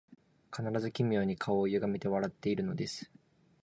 必ず奇妙に顔をゆがめて笑っているのです